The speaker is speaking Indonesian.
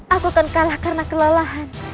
aku akan kalah karena kelelahan